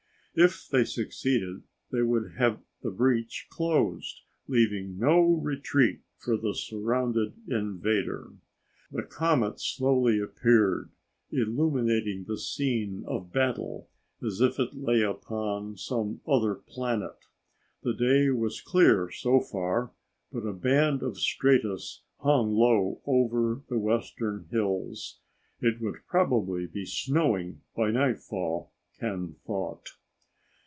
If they succeeded they would have the breach closed, leaving no retreat for the surrounded invader. The comet slowly appeared, illuminating the scene of battle as if it lay upon some other planet. The day was clear so far, but a band of stratus hung low over the western hills. It would probably be snowing by nightfall, Ken thought.